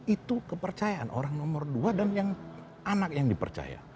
itu kepercayaan orang nomor dua dan yang anak yang dipercaya